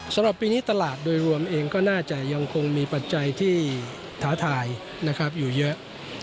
สำหรับปีนี้ตลาดโดยรวมเองก็น่าจะยังคงมีปัจจัยที่ท้าทายนะครับอยู่เยอะ